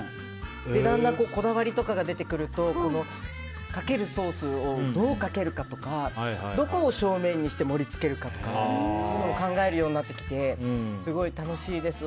だんだんこだわりとかが出てくるとかけるソースをどうかけるかとかどこを正面にして盛り付けるかとかを考えるようになってきてすごい楽しいです。